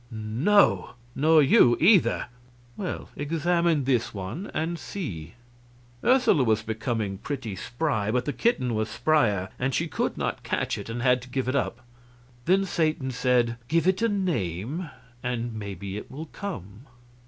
"No nor you, either." "Well, examine this one and see." Ursula was become pretty spry, but the kitten was spryer, and she could not catch it, and had to give it up. Then Satan said: "Give it a name, and maybe it will come."